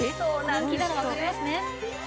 人気なのわかりますね。